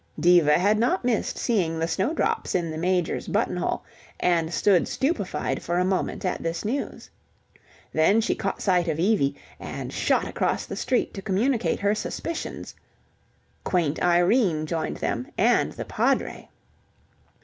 Diva had not missed seeing the snowdrops in the Major's button hole, and stood stupefied for a moment at this news. Then she caught sight of Evie, and shot across the street to communicate her suspicions. Quaint Irene joined them and the Padre.